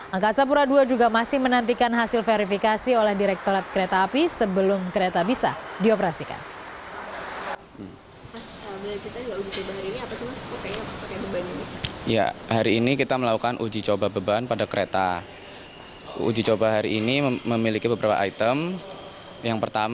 angkasa pura ii juga masih menantikan hasil verifikasi oleh direktorat kereta api sebelum kereta bisa dioperasikan